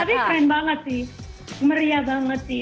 tapi keren banget sih meriah banget sih